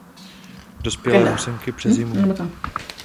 Dospělé housenky přezimují.